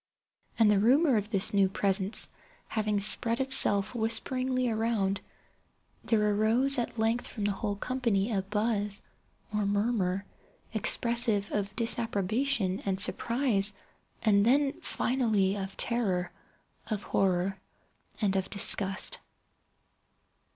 And the rumour of this new presence having spread itself whisperingly around, there arose at length from the whole company a buzz, or murmur, expressive of disapprobation and surprise—then, finally, of terror, of horror, and of disgust.